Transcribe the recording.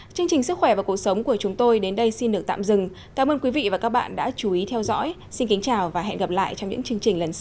chương trình sức khỏe và cuộc sống của chúng tôi đến đây xin được tạm dừng cảm ơn quý vị và các bạn đã chú ý theo dõi xin kính chào và hẹn gặp lại trong những chương trình lần sau